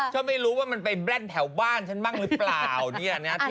ชอบไม่รู้มาได้มาแบรนด์ถ้าบ้านฉันบ้างรึเปล่าเนี้ย